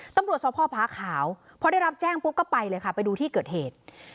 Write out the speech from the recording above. ตำรวจสพพาขาวพอได้รับแจ้งปุ๊บก็ไปเลยค่ะไปดูที่เกิดเหตุ